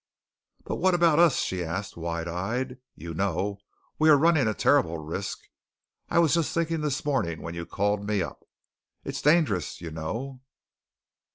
"But what about us?" she asked, wide eyed. "You know we are running a terrible risk. I was just thinking this morning when you called me up. It's dangerous, you know."